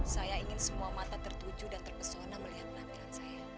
saya ingin semua mata tertuju dan terpesona melihat penampilan saya